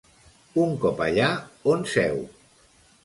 Un cop allà on seu?